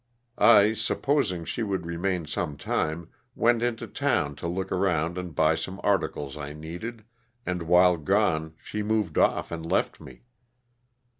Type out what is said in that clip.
I, supposing she would remain some time, went into town to look around and buy some articles I needed, and while gone she moved off and left me.